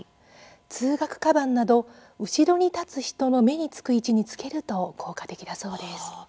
通学かばんなど、後ろに立つ人の目につく位置につけると効果的だそうです。